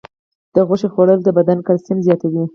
د غوښې خوړل د بدن کلسیم زیاتوي.